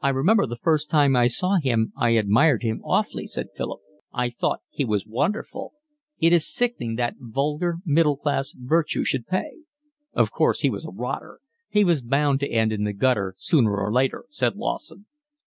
"I remember, the first time I saw him I admired him awfully," said Philip. "I thought he was wonderful. It is sickening that vulgar, middle class virtue should pay." "Of course he was a rotter. He was bound to end in the gutter sooner or later," said Lawson.